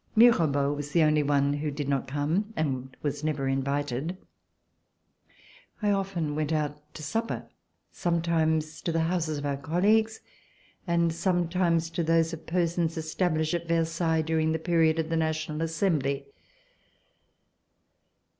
Mirabeau was the only one who did not come and was never invited. I often went out to supper — sometimes to the houses of our colleagues, and sometimes to those of persons established at Versailles during the period of the National Assembly.